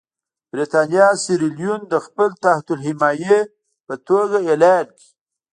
برېټانیا سیریلیون د خپل تحت الحیې په توګه اعلان کړ.